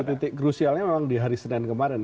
titik krusialnya memang di hari senin kemarin